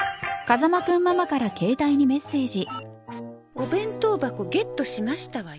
「お弁当箱ゲットしましたわよ」